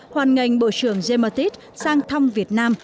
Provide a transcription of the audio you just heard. hoàn ngành bộ trưởng giai ma tít sang thăm việt nam